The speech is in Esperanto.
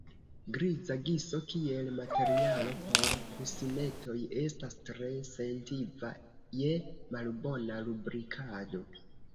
Griza giso kiel materialo por kusinetoj estas tre sentiva je malbona lubrikado.